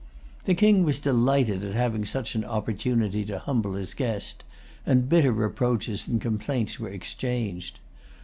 The King was delighted at having such an opportunity to humble his guest; and bitter reproaches and complaints were exchanged.